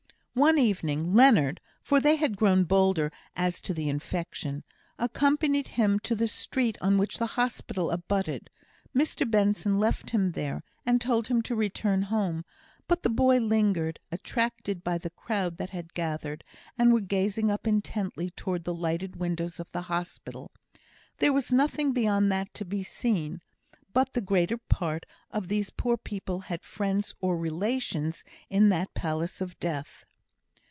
One evening Leonard (for they had grown bolder as to the infection) accompanied him to the street on which the hospital abutted. Mr Benson left him there, and told him to return home; but the boy lingered, attracted by the crowd that had gathered, and were gazing up intently towards the lighted windows of the hospital. There was nothing beyond to be seen; but the greater part of these poor people had friends or relations in that palace of Death.